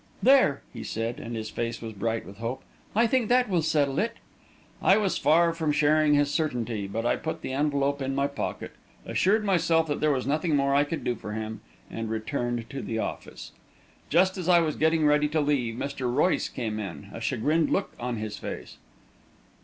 "There," he said, and his face was bright with hope. "I think that will settle it." I was far from sharing his certainty, but I put the envelope in my pocket, assured myself that there was nothing more I could do for him, and returned to the office. Just as I was getting ready to leave, Mr. Royce came in, a chagrined look on his face.